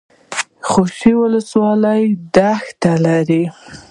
خوشي ولسوالۍ دښتې لري؟